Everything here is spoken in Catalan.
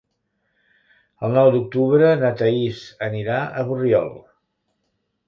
El nou d'octubre na Thaís anirà a Borriol.